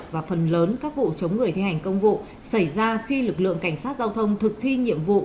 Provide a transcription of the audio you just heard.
và phần lớn các vụ chống người thi hành công vụ xảy ra khi lực lượng cảnh sát giao thông thực thi nhiệm vụ